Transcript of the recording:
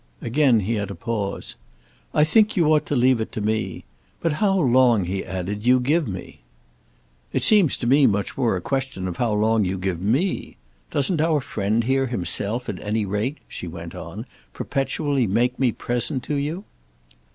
Again he had a pause. "I think you ought to leave it to me. But how long," he added, "do you give me?" "It seems to me much more a question of how long you give me. Doesn't our friend here himself, at any rate," she went on, "perpetually make me present to you?"